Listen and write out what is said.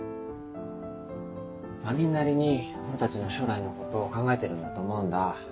まみんなりに俺たちの将来のことを考えてるんだと思うんだ。